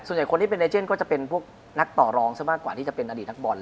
ส่วนใหญ่คนที่เป็นไนเจนก็จะเป็นนักต่อรองซะมากกว่าที่มีอดีตนักบอลเลย